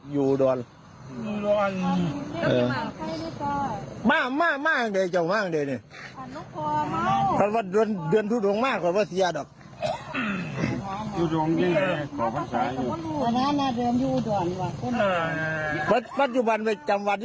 อยู่บนพืชเลยนะฮะ